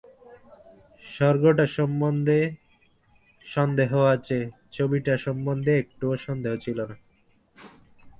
স্বর্গটা সম্বন্ধে সন্দেহ আছে, ছবিটা সম্বন্ধে একটুও সন্দেহ ছিল না।